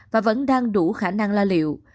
và vẫn đang đủ khả năng lo liệu